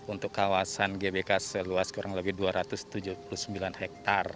untuk kawasan gbk seluas kurang lebih dua ratus tujuh puluh sembilan hektare